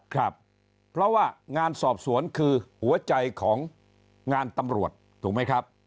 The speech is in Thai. ครับเพราะว่างานสอบสวนคือหัวใจของงานตำรวจถูกไหมครับ